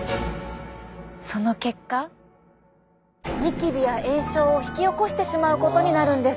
その結果ニキビや炎症を引き起こしてしまうことになるんです。